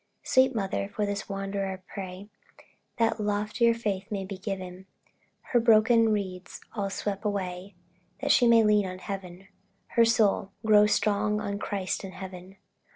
Sweet Mother, for this wanderer pray, That loftier faith be given; Her broken reeds all swept away, That she may lean on Heaven her soul Grow strong on Christ and Heaven.